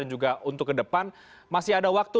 dan juga untuk ke depan masih ada waktu